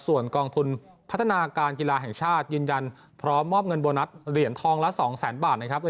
ส่วนกองทุนพัฒนาการกีฬาแห่งชาติยืนยันพร้อมมอบเงินโบนัสเหรียญทองละ๒แสนบาทนะครับ